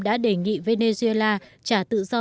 đã đề nghị venezuela trả tự do